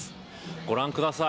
ご覧ください。